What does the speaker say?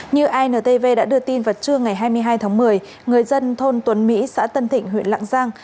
như intv đã đưa tin vào trưa ngày hai mươi hai tháng một mươi người dân thôn tuấn mỹ xã tân thịnh huyện lạng giang